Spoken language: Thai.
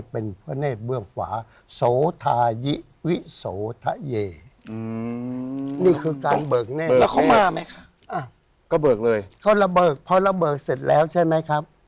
ก็เบิกเลยเขาระเบิกพอระเบิกเสร็จแล้วใช่ไหมครับ